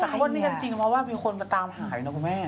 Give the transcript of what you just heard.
แต่คำว่านี่กันจริงเพราะว่ามีคนมาตามหายนะคุณแม่